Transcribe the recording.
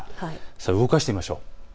動かしてみましょう。